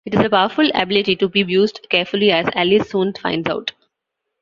It is a powerful ability to be used carefully as Alice soon finds out.